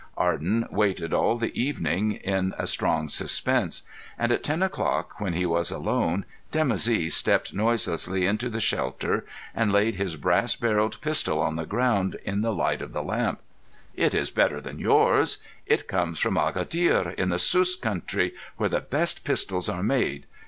Arden waited all the evening in a strong suspense; and at ten o'clock, when he was alone, Dimoussi stepped noiselessly into the shelter, and laid his brass barrelled pistol on the ground in the light of the lamp. "It is better than yours. It comes from Agadhir, in the Sus country, where the best pistols are made.